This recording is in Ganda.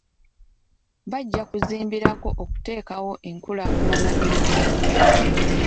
Bajja kubizimbirako okuteekawo enkulaakulana empya.